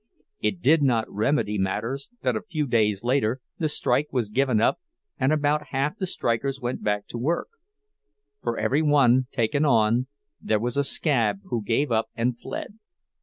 It did not remedy matters that a few days later the strike was given up and about half the strikers went back to work; for every one taken on, there was a "scab" who gave up and fled.